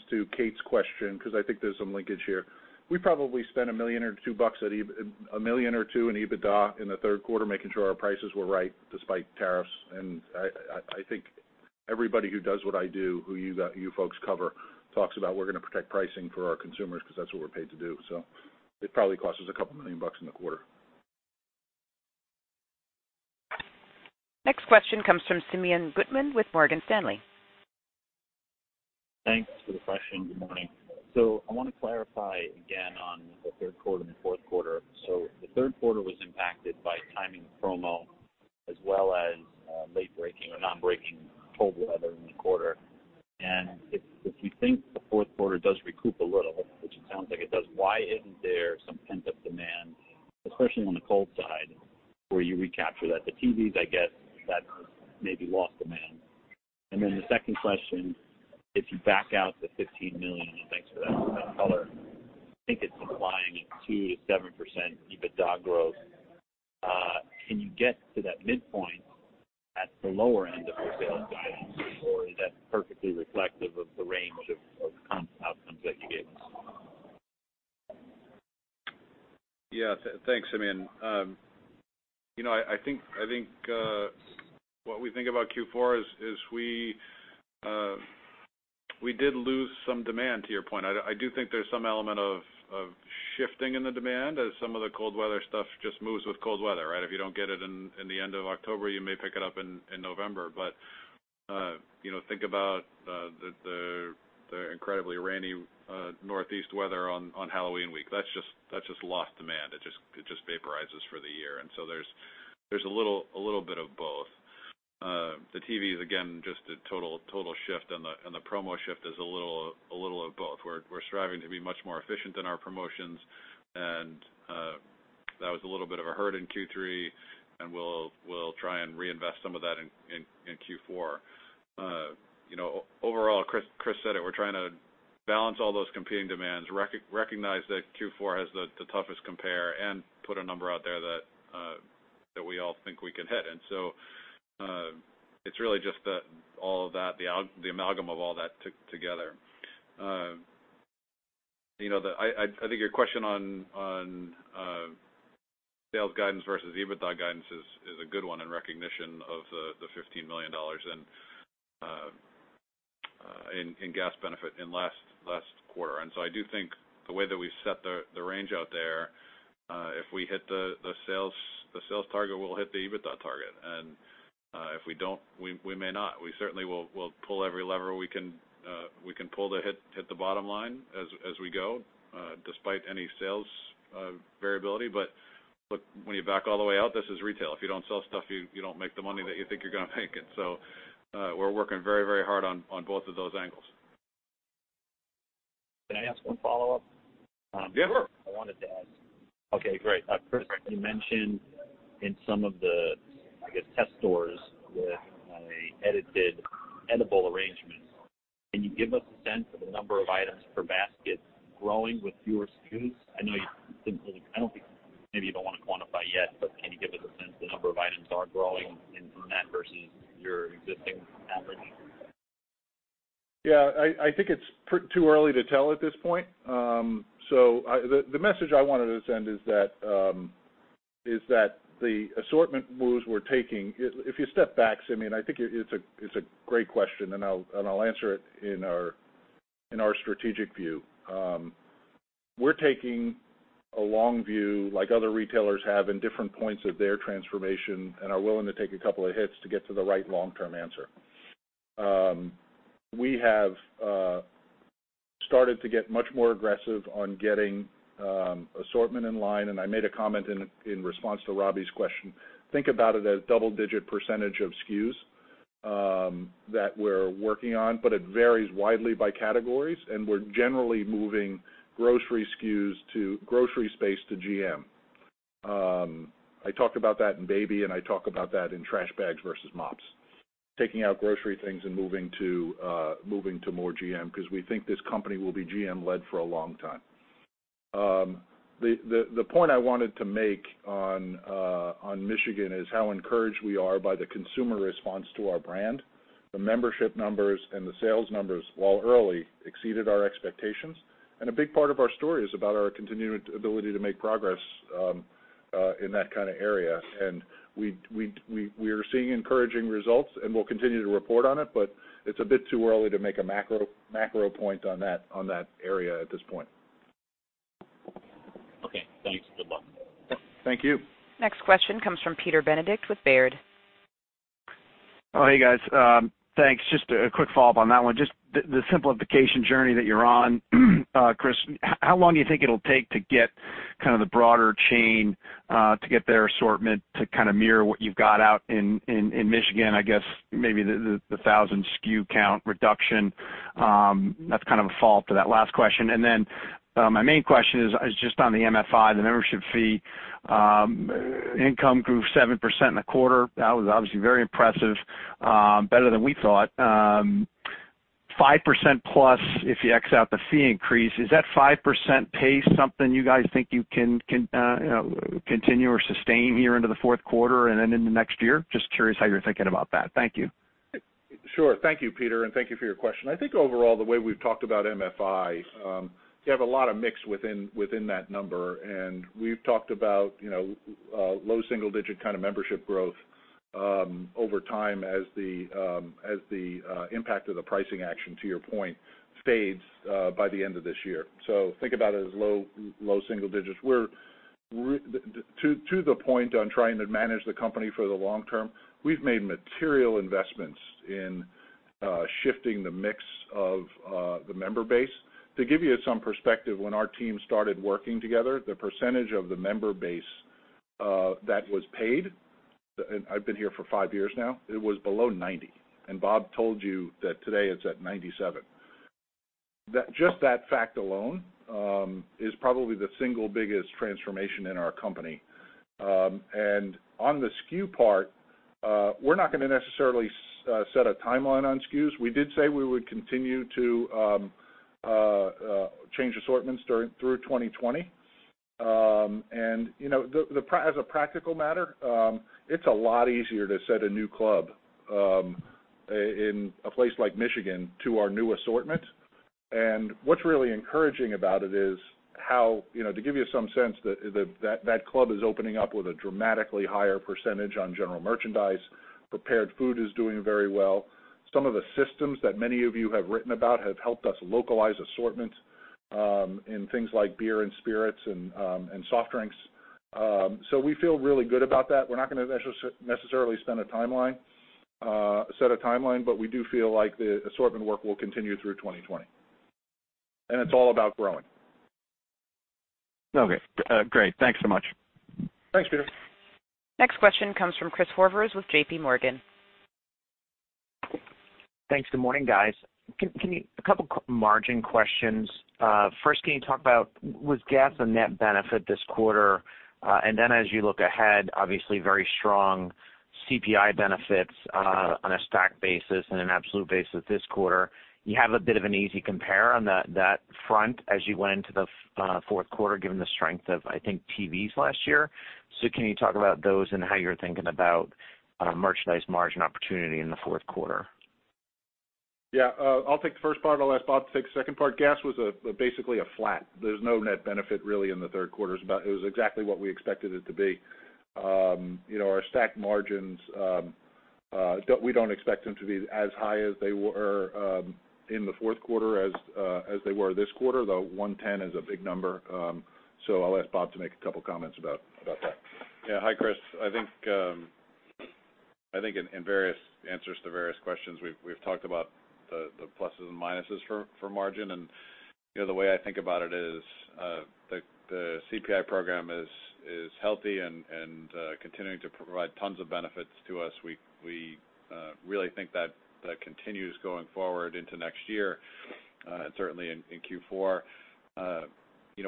to Kate's question, because I think there's some linkage here. We probably spent $1 million or $2 million, $1 million or $2 million in EBITDA in the third quarter, making sure our prices were right despite tariffs. I think everybody who does what I do, who you folks cover, talks about we're going to protect pricing for our consumers because that's what we're paid to do. It probably cost us a couple million dollars in the quarter. Next question comes from Simeon Gutman with Morgan Stanley. Thanks for the question. Good morning. I want to clarify again on the third quarter and the fourth quarter. The third quarter was impacted by timing promo as well as late-breaking or non-breaking cold weather in the quarter. If you think the fourth quarter does recoup a little, which it sounds like it does, why isn't there some pent-up demand, especially on the cold side, where you recapture that? The TVs, I get that maybe lost demand. Then the second question, if you back out the $15 million, and thanks for that color, I think it's implying a 2%-7% EBITDA growth. Can you get to that midpoint at the lower end of your sales guidance, or is that perfectly reflective of the range of outcomes that you gave us? Yes. Thanks, Simeon. I think what we think about Q4 is we did lose some demand, to your point. I do think there's some element of shifting in the demand as some of the cold weather stuff just moves with cold weather, right? If you don't get it in the end of October, you may pick it up in November. Think about the incredibly rainy Northeast weather on Halloween week. That's just lost demand. It just vaporizes for the year. There's a little bit of both. The TVs, again, just a total shift and the promo shift is a little of both. We're striving to be much more efficient in our promotions, and that was a little bit of a hurt in Q3, and we'll try and reinvest some of that in Q4. Overall, Chris said it. We're trying to balance all those competing demands, recognize that Q4 has the toughest compare, and put a number out there that we all think we can hit. It's really just the amalgam of all that together. I think your question on sales guidance versus EBITDA guidance is a good one in recognition of the $15 million in gas benefit in last quarter. I do think the way that we've set the range out there, if we hit the sales target, we'll hit the EBITDA target. If we don't, we may not. We certainly will pull every lever we can pull to hit the bottom line as we go, despite any sales variability. Look, when you back all the way out, this is retail. If you don't sell stuff, you don't make the money that you think you're going to make. We're working very hard on both of those angles. Can I ask one follow-up? Yeah, sure. I wanted to ask. Okay, great. Chris, you mentioned in some of the, I guess, test stores with a edited edible arrangement. Can you give us a sense of the number of items per basket growing with fewer SKUs? Maybe you don't want to quantify yet, can you give us a sense the number of items are growing from that versus your existing average? Yeah, I think it's too early to tell at this point. The message I wanted to send is that the assortment moves we're taking-- If you step back, Simeon, I think it's a great question, and I'll answer it in our strategic view. We're taking a long view, like other retailers have in different points of their transformation and are willing to take a couple of hits to get to the right long-term answer. We have started to get much more aggressive on getting assortment in line, and I made a comment in response to Robbie's question. Think about it as double-digit percentage of SKUs that we're working on, but it varies widely by categories, and we're generally moving grocery space to GM. I talked about that in baby, and I talk about that in trash bags versus mops. Taking out grocery things and moving to more GM because we think this company will be GM-led for a long time. The point I wanted to make on Michigan is how encouraged we are by the consumer response to our brand. The membership numbers and the sales numbers, while early, exceeded our expectations. A big part of our story is about our continued ability to make progress in that kind of area. We are seeing encouraging results, and we'll continue to report on it, but it's a bit too early to make a macro point on that area at this point. Okay, thanks. Good luck. Thank you. Next question comes from Peter Benedict with Baird. Oh, hey guys. Thanks. Just a quick follow-up on that one. Just the simplification journey that you're on, Chris, how long do you think it'll take to get kind of the broader chain to get their assortment to kind of mirror what you've got out in Michigan, I guess maybe the 1,000 SKU count reduction? That's kind of a follow-up to that last question. My main question is just on the MFI, the membership fee. Income grew 7% in the quarter. That was obviously very impressive, better than we thought. 5% plus, if you X out the fee increase, is that 5% pace something you guys think you can continue or sustain here into the fourth quarter and then into next year? Just curious how you're thinking about that. Thank you. Thank you, Peter, and thank you for your question. I think overall, the way we've talked about MFI, you have a lot of mix within that number. We've talked about low single digit kind of membership growth over time as the impact of the pricing action, to your point, fades by the end of this year. Think about it as low single digits. To the point on trying to manage the company for the long term, we've made material investments in shifting the mix of the member base. To give you some perspective, when our team started working together, the percentage of the member base that was paid, and I've been here for five years now, it was below 90. Bob told you that today it's at 97. Just that fact alone is probably the single biggest transformation in our company. On the SKU part, we're not going to necessarily set a timeline on SKUs. We did say we would continue to change assortments through 2020. As a practical matter, it's a lot easier to set a new club in a place like Michigan to our new assortment. What's really encouraging about it is how, to give you some sense, that club is opening up with a dramatically higher % on general merchandise. Prepared food is doing very well. Some of the systems that many of you have written about have helped us localize assortment in things like beer and spirits and soft drinks. We feel really good about that. We're not going to necessarily set a timeline, but we do feel like the assortment work will continue through 2020. It's all about growing. Okay, great. Thanks so much. Thanks, Peter. Next question comes from Chris Horvers with J.P. Morgan. Thanks. Good morning, guys. A couple margin questions. First, can you talk about, was gas a net benefit this quarter? As you look ahead, obviously very strong CPI benefits on a stack basis and an absolute basis this quarter. You have a bit of an easy compare on that front as you went into the fourth quarter, given the strength of, I think, TVs last year. Can you talk about those and how you're thinking about merchandise margin opportunity in the fourth quarter? Yeah. I'll take the first part. I'll ask Bob to take the second part. Gas was basically flat. There's no net benefit really in the third quarter. It was exactly what we expected it to be. Our stack margins, we don't expect them to be as high in the fourth quarter as they were this quarter, though 110 is a big number. I'll ask Bob to make a couple comments about that. Hi, Chris. I think in various answers to various questions, we've talked about the pluses and minuses for margin. The way I think about it is, the CPI program is healthy and continuing to provide tons of benefits to us. We really think that continues going forward into next year, and certainly in Q4.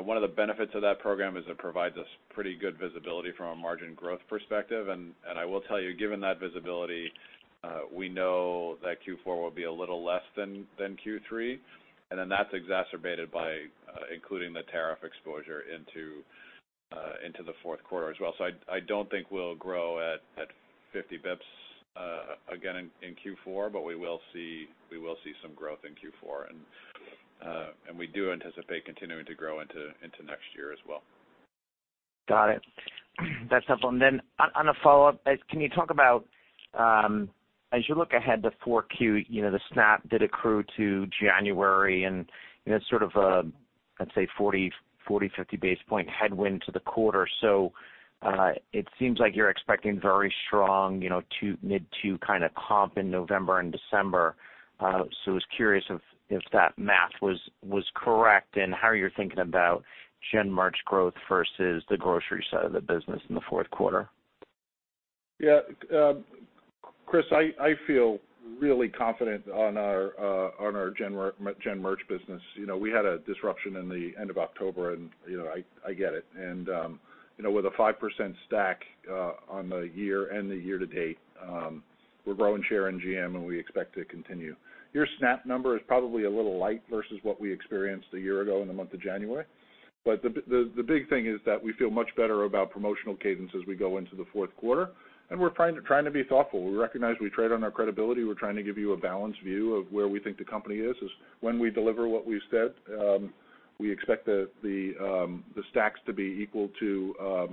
One of the benefits of that program is it provides us pretty good visibility from a margin growth perspective. I will tell you, given that visibility, we know that Q4 will be a little less than Q3, and then that's exacerbated by including the tariff exposure into the fourth quarter as well. I don't think we'll grow at 50 basis points again in Q4, but we will see some growth in Q4. We do anticipate continuing to grow into next year as well. Got it. That's helpful. Then on a follow-up, can you talk about, as you look ahead to 4Q, the SNAP did accrue to January and sort of a, let's say 40, 50 basis point headwind to the quarter. It seems like you're expecting very strong mid 2 kind of comp in November and December. I was curious if that math was correct and how you're thinking about gen merch growth versus the grocery side of the business in the fourth quarter. Yeah. Chris, I feel really confident on our gen merch business. We had a disruption in the end of October, and I get it. With a 5% stack on the year and the year to date, we're growing share in GM, and we expect to continue. Your SNAP number is probably a little light versus what we experienced a year ago in the month of January. The big thing is that we feel much better about promotional cadence as we go into the fourth quarter, and we're trying to be thoughtful. We recognize we trade on our credibility. We're trying to give you a balanced view of where we think the company is, when we deliver what we've said. We expect the stacks to be equal to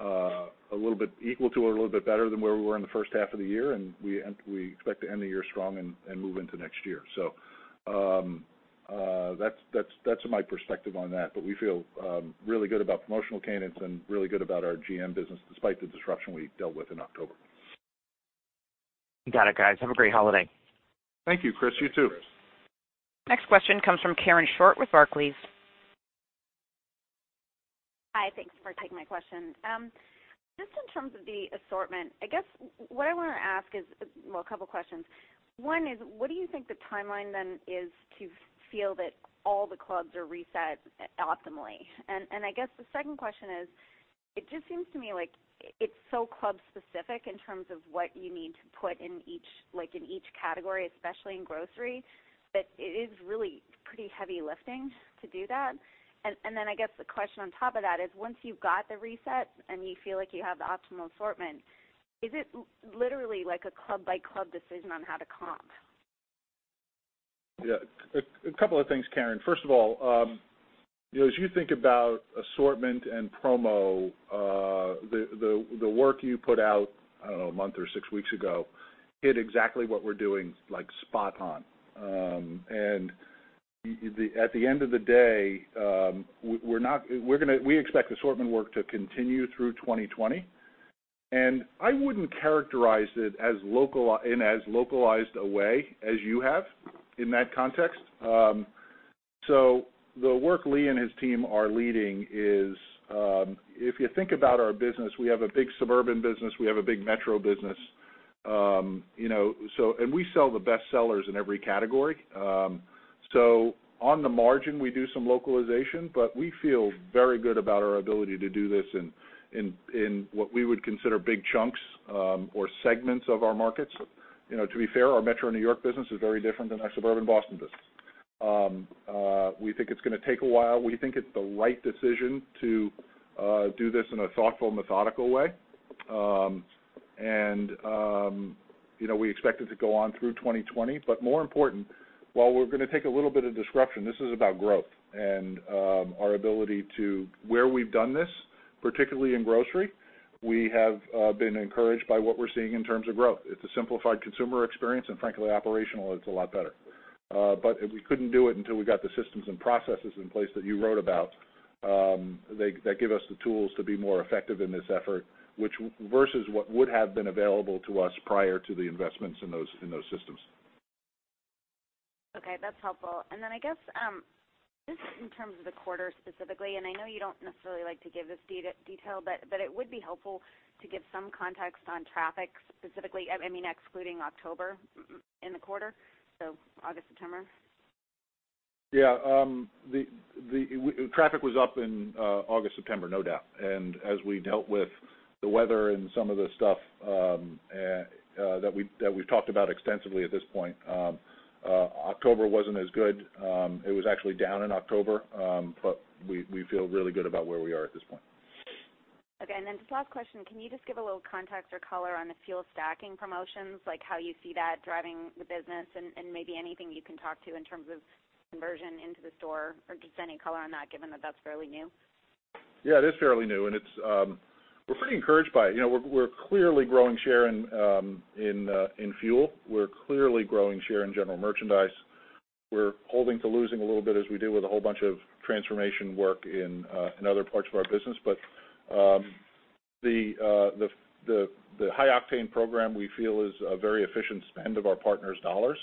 a little bit equal to or a little bit better than where we were in the first half of the year, and we expect to end the year strong and move into next year. That's my perspective on that, but we feel really good about promotional cadence and really good about our GM business, despite the disruption we dealt with in October. Got it, guys. Have a great holiday. Thank you, Chris. You too. Thank you, Chris. Next question comes from Karen Short with Barclays. Hi. Thanks for taking my question. Just in terms of the assortment, I guess what I want to ask is, well, a couple questions. One is, what do you think the timeline then is to feel that all the clubs are reset optimally? I guess the second question is, it just seems to me like it's so club specific in terms of what you need to put in each category, especially in grocery, that it is really pretty heavy lifting to do that. I guess the question on top of that is once you've got the reset and you feel like you have the optimal assortment, is it literally like a club-by-club decision on how to comp? Yeah. A couple of things, Karen. First of all, as you think about assortment and promo, the work you put out, I don't know, a month or six weeks ago, hit exactly what we're doing, like spot on. At the end of the day, we expect assortment work to continue through 2020. I wouldn't characterize it in as localized a way as you have in that context. The work Lee and his team are leading is, if you think about our business, we have a big suburban business, we have a big metro business. We sell the best sellers in every category. On the margin, we do some localization, but we feel very good about our ability to do this in what we would consider big chunks, or segments of our markets. To be fair, our metro New York business is very different than our suburban Boston business. We think it's going to take a while. We think it's the right decision to do this in a thoughtful, methodical way. We expect it to go on through 2020. More important, while we're going to take a little bit of disruption, this is about growth and our ability to, where we've done this, particularly in grocery, we have been encouraged by what we're seeing in terms of growth. It's a simplified consumer experience, and frankly, operational, it's a lot better. We couldn't do it until we got the systems and processes in place that you wrote about, that give us the tools to be more effective in this effort, versus what would have been available to us prior to the investments in those systems. Okay, that's helpful. I guess, just in terms of the quarter specifically, I know you don't necessarily like to give this detail, but it would be helpful to give some context on traffic specifically, I mean, excluding October in the quarter, so August, September. Yeah. Traffic was up in August, September, no doubt. As we dealt with the weather and some of the stuff that we've talked about extensively at this point, October wasn't as good. It was actually down in October, but we feel really good about where we are at this point. Okay. Just last question, can you just give a little context or color on the fuel stacking promotions, like how you see that driving the business and maybe anything you can talk to in terms of conversion into the store or just any color on that, given that that's fairly new? Yeah, it is fairly new, and we're pretty encouraged by it. We're clearly growing share in fuel. We're clearly growing share in general merchandise. We're holding to losing a little bit as we do with a whole bunch of transformation work in other parts of our business. The High Octane program, we feel is a very efficient spend of our partners' dollars.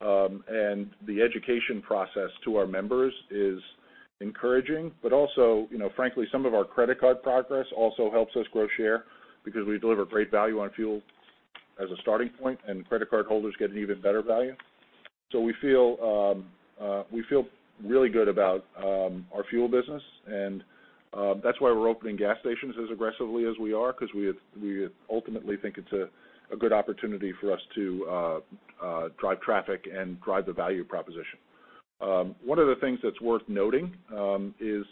The education process to our members is encouraging. Also, frankly, some of our credit card progress also helps us grow share because we deliver great value on fuel as a starting point, and credit card holders get an even better value. We feel really good about our fuel business, and that's why we're opening gas stations as aggressively as we are, because we ultimately think it's a good opportunity for us to drive traffic and drive the value proposition. One of the things that's worth noting is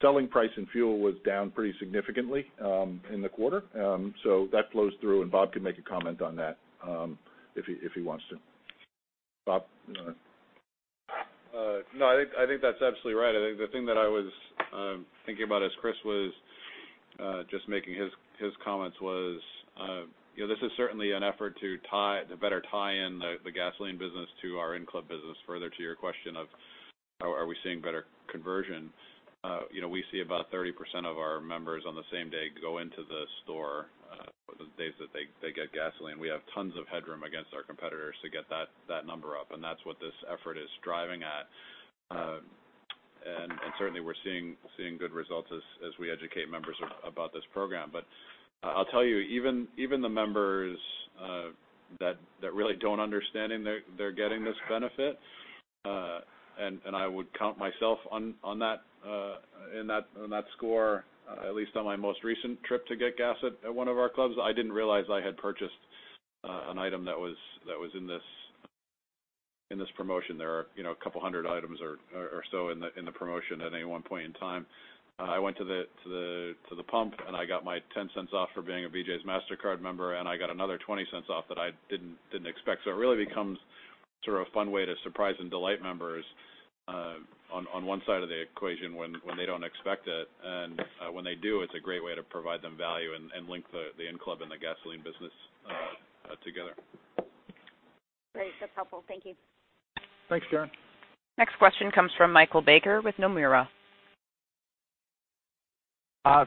selling price in fuel was down pretty significantly in the quarter. That flows through, and Bob can make a comment on that if he wants to. Bob? No, I think that's absolutely right. I think the thing that I was thinking about as Chris was just making his comments was, this is certainly an effort to better tie in the gasoline business to our in-club business further to your question of are we seeing better conversion. We see about 30% of our members on the same day go into the store, the days that they get gasoline. We have tons of headroom against our competitors to get that number up, and that's what this effort is driving at. Certainly, we're seeing good results as we educate members about this program. I'll tell you, even the members that really don't understand they're getting this benefit, and I would count myself in that score, at least on my most recent trip to get gas at one of our clubs, I didn't realize I had purchased an item that was in this promotion. There are a couple of hundred items or so in the promotion at any one point in time. I went to the pump, and I got my $0.10 off for being a BJ's Mastercard member, and I got another $0.20 off that I didn't expect. It really becomes sort of a fun way to surprise and delight members on one side of the equation when they don't expect it. When they do, it's a great way to provide them value and link the in-club and the gasoline business together. Great. That's helpful. Thank you. Thanks, Karen. Next question comes from Michael Baker with Nomura.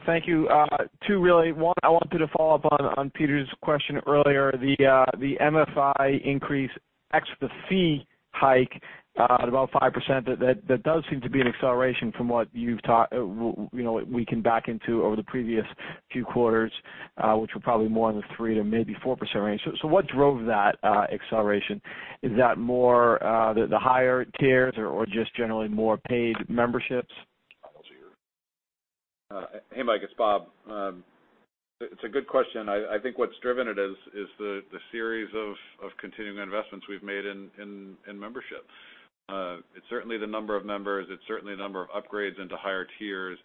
Thank you. Two, really. One, I wanted to follow up on Peter's question earlier, the MFI increase ex the fee hike at about 5%, that does seem to be an acceleration from what we can back into over the previous few quarters, which were probably more in the 3% to maybe 4% range. What drove that acceleration? Is that more the higher tiers or just generally more paid memberships? Hey, Mike, it's Bob. It's a good question. I think what's driven it is the series of continuing investments we've made in memberships. It's certainly the number of members. It's certainly the number of upgrades into higher tiers.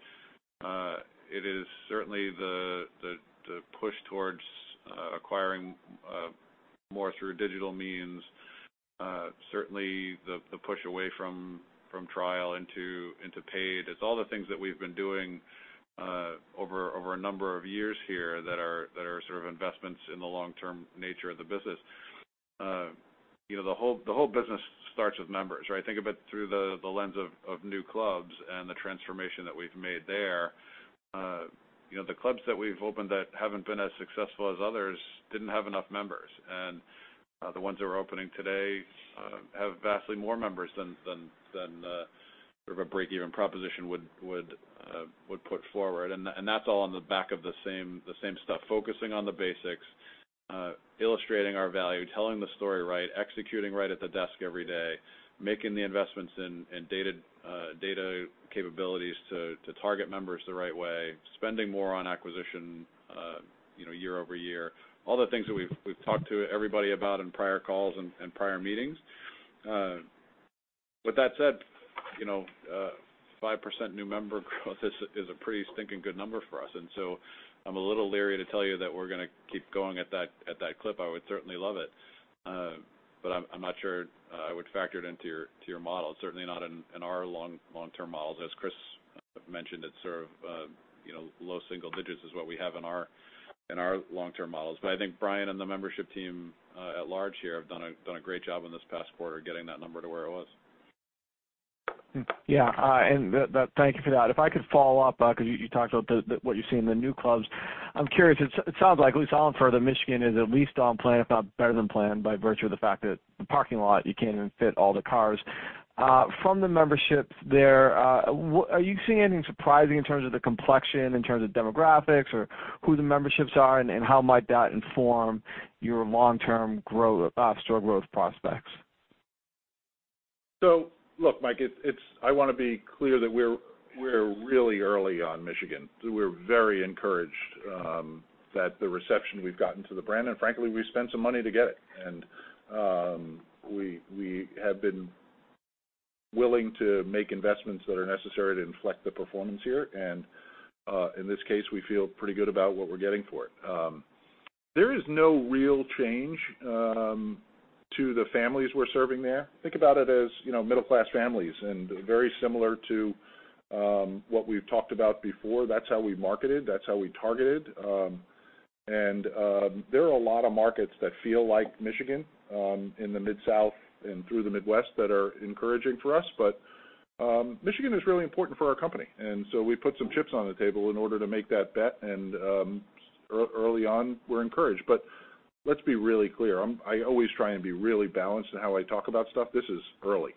It is certainly the push towards acquiring more through digital means. Certainly the push away from trial into paid. It's all the things that we've been doing over a number of years here that are sort of investments in the long-term nature of the business. The whole business starts with members, right? Think of it through the lens of new clubs and the transformation that we've made there. The clubs that we've opened that haven't been as successful as others didn't have enough members, and the ones that we're opening today have vastly more members than sort of a break-even proposition would put forward. That's all on the back of the same stuff, focusing on the basics, illustrating our value, telling the story right, executing right at the desk every day, making the investments in data capabilities to target members the right way, spending more on acquisition year-over-year. All the things that we've talked to everybody about in prior calls and prior meetings. With that said, 5% new member growth is a pretty stinking good number for us. I'm a little leery to tell you that we're going to keep going at that clip. I would certainly love it. But I'm not sure I would factor it into your model. Certainly not in our long-term models. As Chris mentioned, it's sort of low single digits is what we have in our long-term models. I think Brian and the membership team at large here have done a great job in this past quarter getting that number to where it was. Yeah. Thank you for that. If I could follow up, because you talked about what you see in the new clubs. I'm curious, it sounds like, at least on further, Michigan is at least on plan, if not better than planned, by virtue of the fact that the parking lot, you can't even fit all the cars. From the memberships there, are you seeing anything surprising in terms of the complexion, in terms of demographics or who the memberships are, and how might that inform your long-term store growth prospects? Look, Mike, I want to be clear that we're really early on Michigan. We're very encouraged that the reception we've gotten to the brand, and frankly, we spent some money to get it. We have been willing to make investments that are necessary to inflect the performance here. In this case, we feel pretty good about what we're getting for it. There is no real change to the families we're serving there. Think about it as middle-class families and very similar to what we've talked about before. That's how we marketed. That's how we targeted. There are a lot of markets that feel like Michigan, in the Mid-South and through the Midwest that are encouraging for us. Michigan is really important for our company, and so we put some chips on the table in order to make that bet. Early on, we're encouraged. Let's be really clear. I always try and be really balanced in how I talk about stuff. This is early.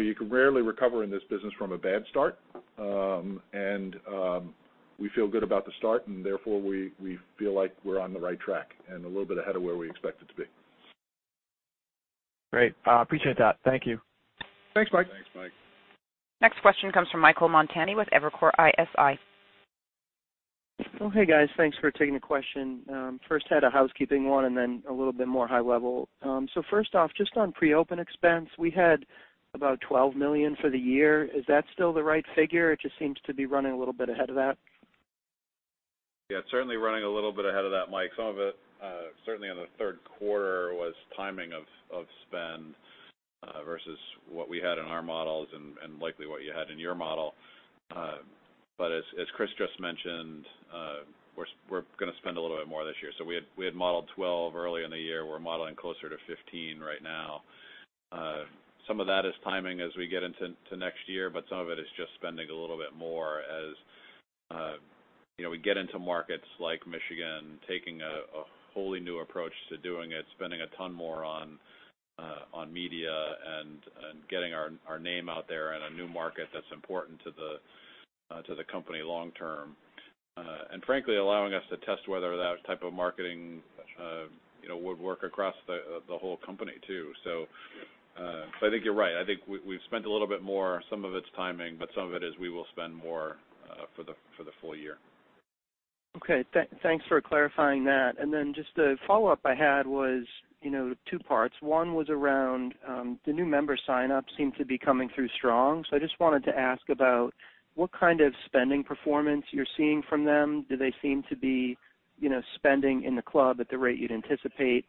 You can rarely recover in this business from a bad start. We feel good about the start, and therefore we feel like we're on the right track and a little bit ahead of where we expected to be. Great. Appreciate that. Thank you. Thanks, Mike. Thanks, Mike. Next question comes from Michael Montani with Evercore ISI. Hey, guys. Thanks for taking the question. First had a housekeeping one and then a little bit more high level. First off, just on pre-open expense, we had about $12 million for the year. Is that still the right figure? It just seems to be running a little bit ahead of that. Yeah, certainly running a little bit ahead of that, Mike. Some of it, certainly in the third quarter, was timing of spend versus what we had in our models and likely what you had in your model. As Chris just mentioned, we're going to spend a little bit more this year. We had modeled $12 earlier in the year. We're modeling closer to $15 right now. Some of that is timing as we get into next year, but some of it is just spending a little bit more as we get into markets like Michigan, taking a wholly new approach to doing it, spending a ton more on media and getting our name out there in a new market that's important to the company long term. Frankly, allowing us to test whether that type of marketing would work across the whole company, too. I think you're right. I think we've spent a little bit more. Some of it's timing, but some of it is we will spend more for the full year. Okay. Thanks for clarifying that. Just a follow-up I had was two parts. One was around the new member signups seem to be coming through strong. I just wanted to ask about what kind of spending performance you're seeing from them. Do they seem to be spending in the club at the rate you'd anticipate?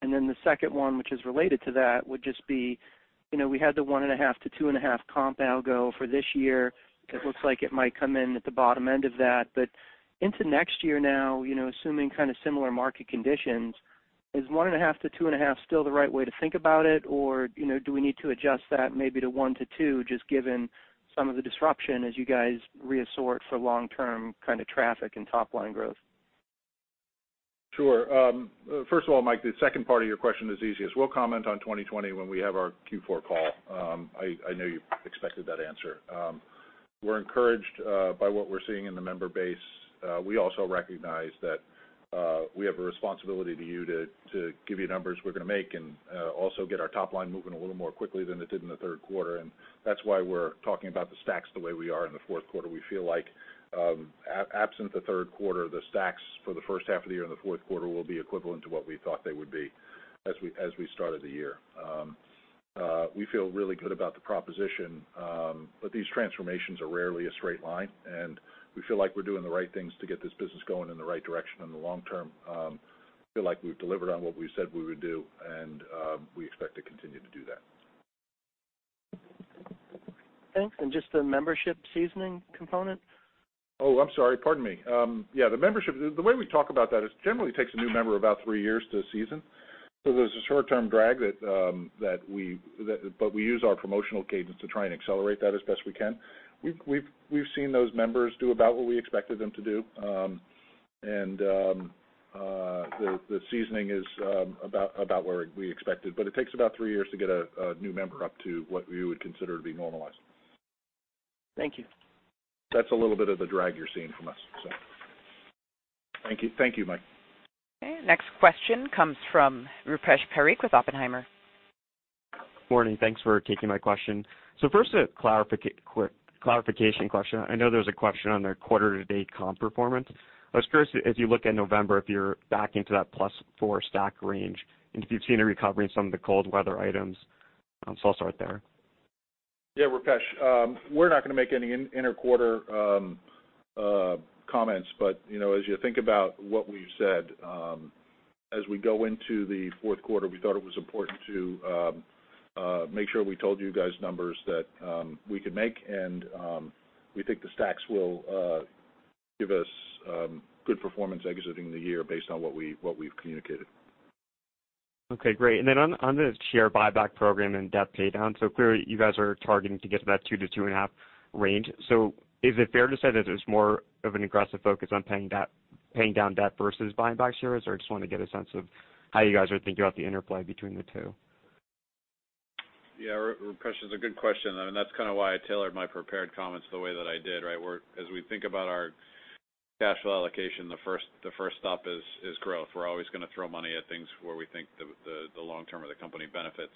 The second one, which is related to that, would just be, we had the 1.5%-2.5% comp algo for this year. It looks like it might come in at the bottom end of that, but into next year now, assuming similar market conditions, is 1.5%-2.5% still the right way to think about it? Do we need to adjust that maybe to one to two, just given some of the disruption as you guys reabsorb for long-term traffic and top-line growth? Sure. First of all, Mike, the second part of your question is easiest. We'll comment on 2020 when we have our Q4 call. I know you expected that answer. We're encouraged by what we're seeing in the member base. We also recognize that we have a responsibility to you to give you numbers we're going to make, and also get our top line moving a little more quickly than it did in the third quarter. That's why we're talking about the stacks the way we are in the fourth quarter. We feel like, absent the third quarter, the stacks for the first half of the year and the fourth quarter will be equivalent to what we thought they would be as we started the year. We feel really good about the proposition. These transformations are rarely a straight line, and we feel like we're doing the right things to get this business going in the right direction in the long term. I feel like we've delivered on what we've said we would do, and we expect to continue to do that. Thanks. Just the membership seasoning component? Oh, I'm sorry. Pardon me. Yeah, the membership. The way we talk about that is, generally, it takes a new member about three years to season. There's a short-term drag, but we use our promotional cadence to try and accelerate that as best we can. We've seen those members do about what we expected them to do. The seasoning is about where we expected. It takes about three years to get a new member up to what we would consider to be normalized. Thank you. That's a little bit of the drag you're seeing from us. Thank you, Mike. Okay, next question comes from Rupesh Parikh with Oppenheimer. Morning, thanks for taking my question. First, a clarification question. I know there was a question on the quarter-to-date comp performance. I was curious if you look at November, if you're back into that plus four stack range, and if you've seen a recovery in some of the cold weather items. I'll start there. Yeah, Rupesh. We're not going to make any inter-quarter comments. As you think about what we've said, as we go into the fourth quarter, we thought it was important to make sure we told you guys numbers that we could make, and we think the stacks will give us good performance exiting the year based on what we've communicated. Okay, great. Then on the share buyback program and debt paydown, clearly you guys are targeting to get to that 2-2.5 range. Is it fair to say that there's more of an aggressive focus on paying down debt versus buying back shares? I just want to get a sense of how you guys are thinking about the interplay between the two. Yeah, Rupesh, that's a good question. That's kind of why I tailored my prepared comments the way that I did, right? As we think about our cash flow allocation, the first stop is growth. We're always going to throw money at things where we think the long term of the company benefits.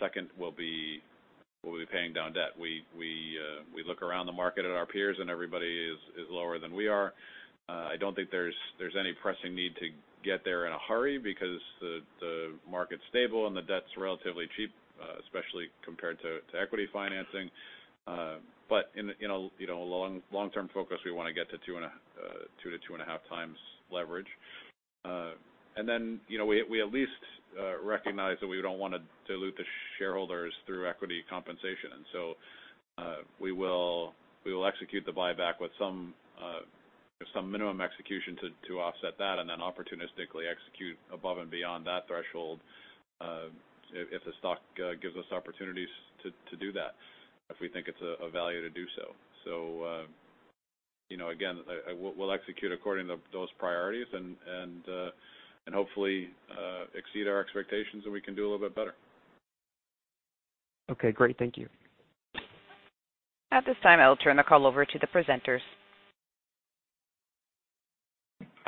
Second will be paying down debt. We look around the market at our peers, everybody is lower than we are. I don't think there's any pressing need to get there in a hurry because the market's stable and the debt's relatively cheap, especially compared to equity financing. In a long-term focus, we want to get to 2-2.5 times leverage. We at least recognize that we don't want to dilute the shareholders through equity compensation. We will execute the buyback with some minimum execution to offset that and then opportunistically execute above and beyond that threshold, if the stock gives us opportunities to do that, if we think it's a value to do so. Again, we'll execute according to those priorities and hopefully exceed our expectations, and we can do a little bit better. Okay, great. Thank you. At this time, I'll turn the call over to the presenters.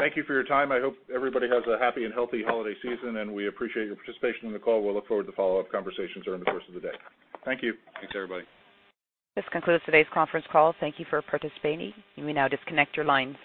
Thank you for your time. I hope everybody has a happy and healthy holiday season, and we appreciate your participation in the call. We'll look forward to follow-up conversations during the course of the day. Thank you. Thanks, everybody. This concludes today's conference call. Thank you for participating. You may now disconnect your lines.